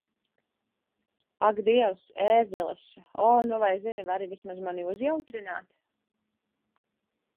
Ak Dievs, ērģeles Oh nu vai zini, vari vismaz mani uzjautrināt?